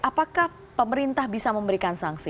apakah pemerintah bisa memberikan sanksi